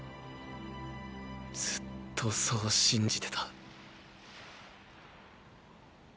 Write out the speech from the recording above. ずっとそう信じてた。